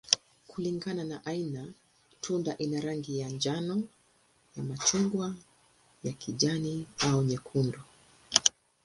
Kulingana na aina, tunda ina rangi ya njano, ya machungwa, ya kijani, au nyekundu.